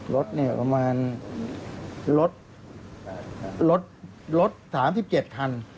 รถเนี่ยประมาณรถ๓๗คัน